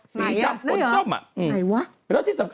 สีดำบนส้ม